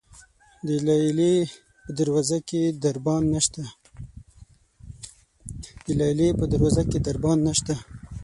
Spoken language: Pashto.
د لیلې په دروازه کې دربان نشته.